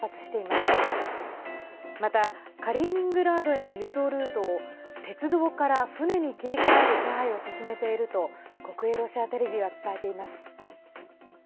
また、カリーニングラードへの輸送ルートを鉄道から船に切り替える手配を進めていると国営ロシアテレビは伝えています。